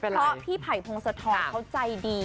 เพราะพี่ไผ่พงศธรเขาใจดี